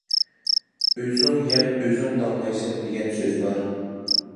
«ئۆزۈڭ يەپ، ئۆزۈڭ داڭلايسەن» دېگەن سۆز بار.